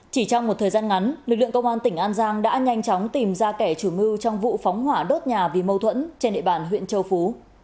chỉ trong một thời gian ngắn lực lượng công an tỉnh an giang đã nhanh chóng tìm ra kẻ chủ mưu trong vụ phóng hỏa đốt nhà vì mâu thuẫn trên địa bàn huyện châu phú